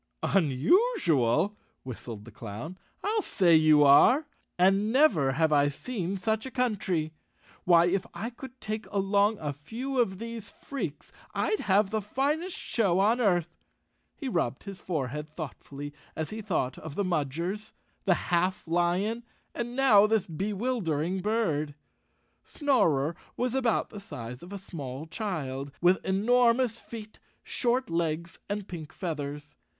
"Unusual," whistled the Clown. "I'll say you are I And never have I seen such a country. Why, if I could take along a few of these freaks, I'd have the finest show on earth." He rubbed his forehead thoughtfully as he thought of the Mudgers, the Half Lion, and now 161 The Cowardly Lion of Oz _ this bewildering bird. Snorer was about the size of a small child, with enormous feet, short legs and pink feathers.